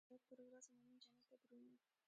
د اخرت پر ورځ مومن جنت ته درومي.